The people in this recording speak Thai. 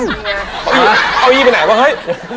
นี่ไงเอายี่ไปไหนบ้างเฮ้ย